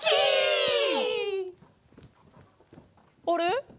あれ？